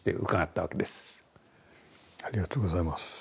ありがとうございます。